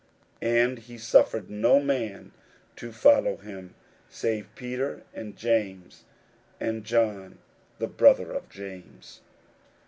41:005:037 And he suffered no man to follow him, save Peter, and James, and John the brother of James.